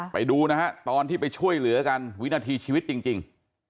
ไปดูนะฮะตอนที่ไปช่วยเหลือกันวินาทีชีวิตจริง